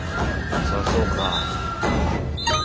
あそうか。